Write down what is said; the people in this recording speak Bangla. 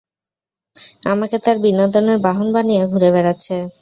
আমাকে তার বিনোদনের বাহন বানিয়ে ঘুরে বেড়াচ্ছে।